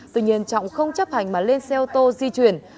tuy nhiên trọng không chấp hành mà lên xe ô tô di chuyển